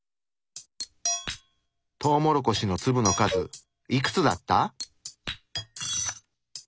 トウモロコシの粒の数いくつだった？